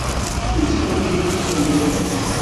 Yettwali tiliẓri yal ass.